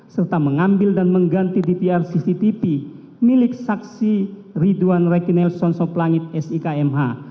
serta mengambil dan mengganti dpr cctv milik saksi ridwan rekinel sonsop langit s i k m h